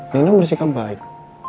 nino bersikap baik